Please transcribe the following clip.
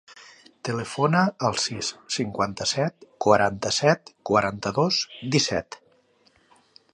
Telefona al sis, cinquanta-set, quaranta-set, quaranta-dos, disset.